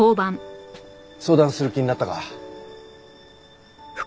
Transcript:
相談する気になったか？